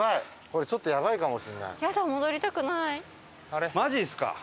これちょっとやばいかもしれない。